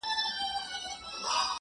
• مسافرۍ كي يك تنها پرېږدې ـ